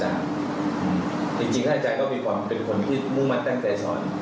จริงถ้าใจก็มีความเป็นคนที่มุมตั้งใจสอน